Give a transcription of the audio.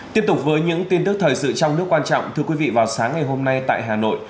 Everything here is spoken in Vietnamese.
tiếp tục với những tin tức thời sự trong nước quan trọng thưa quý vị vào sáng ngày hôm nay tại hà nội